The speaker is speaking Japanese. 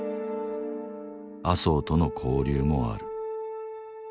麻生との交流もある。